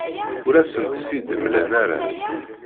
Ur asent-t-id-mlan ara.